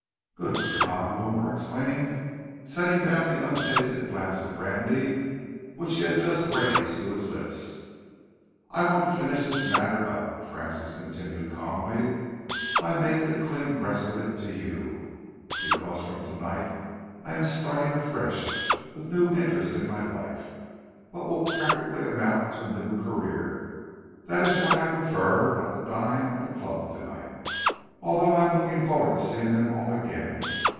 "Good God!" Wilmore exclaimed, setting down untasted the glass of brandy which he had just raised to his lips. "I want to finish this matter up," Francis continued calmly, "by making a clean breast of it to you, because from to night I am starting afresh, with new interests in my life, what will practically amount to a new career. That is why I preferred not to dine at the club to night, although I am looking forward to seeing them all again.